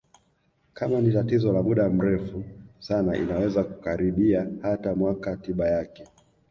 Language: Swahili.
kama ni tatizo la muda mrefu sana inaweza kukaribia hata mwaka tiba yake